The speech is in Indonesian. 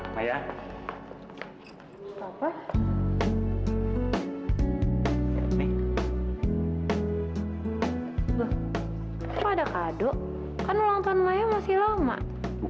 mau kapan ibu menang kasih aku